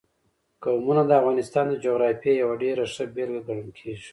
قومونه د افغانستان د جغرافیې یوه ډېره ښه بېلګه ګڼل کېږي.